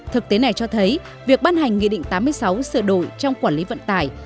thực tế này cho thấy việc ban hành nghị định tám mươi sáu sửa đổi trong quản lý vận tải